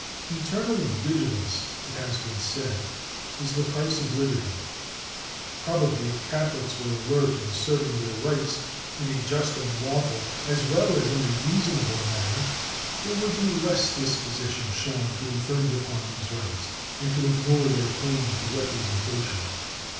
"Eternal vigilance, it has been said, is the price of liberty. Probably if Catholics were alert in asserting their rights in a just and lawful, as well as in a reasonable manner there would be less disposition shown to infringe upon those rights, and to ignore their claim to representation.